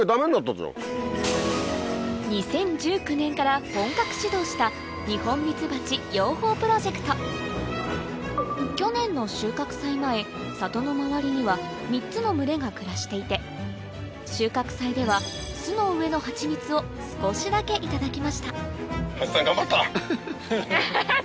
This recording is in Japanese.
２０１９年から本格始動した去年の収穫祭前里の周りには３つの群れが暮らしていて収穫祭では巣の上のハチミツを少しだけいただきました・ハハハ！